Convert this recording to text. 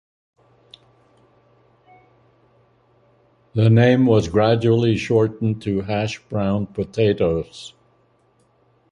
The name was gradually shortened to 'hash brown potatoes'.